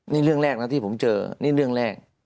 นี่เรื่องแรกนะที่ผมเจอนี่เรื่องแรก